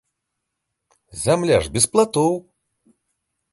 Зямля ж без платоў!